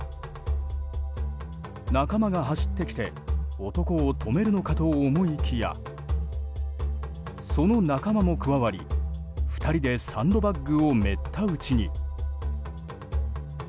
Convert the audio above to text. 仲間が走ってきて男を止めるのかと思いきやその仲間も加わり２人でサンドバッグをめった打ちに。